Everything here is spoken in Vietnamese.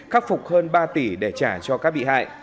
khắc phục hơn ba tỷ để trả cho các bị hại